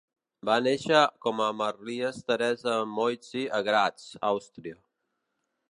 Va néixer com a Marlies Theresa Moitzi a Graz, Àustria.